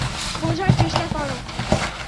বোঝার চেষ্টা কর।